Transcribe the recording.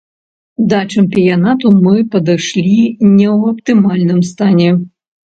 Да чэмпіянату мы падышлі не ў аптымальным стане.